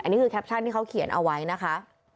นี่คือแคปชั่นที่เขาเขียนเอาไว้นะคะ